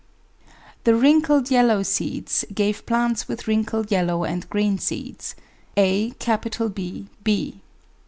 The wrinkled yellow seeds gave plants with wrinkled yellow and green seeds, aBb.